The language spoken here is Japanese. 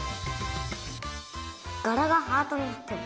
がらがハートになってる。